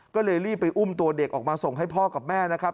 ก็เลยรีบไปอุ้มตัวเด็กออกมาส่งให้พ่อกับแม่นะครับ